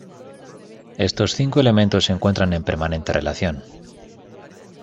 Estos cinco elementos se encuentran en permanente relación.